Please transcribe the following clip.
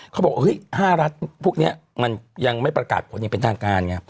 เขาบอกว่าห้ารัฐพวกเนี่ยมันยังไม่ประกาศผลยังเป็นด้านการไง